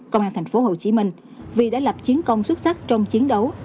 công an tp hcm vì đã lập chiến công xuất sắc trong chiến đấu